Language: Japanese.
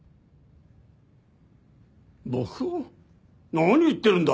何言ってるんだ！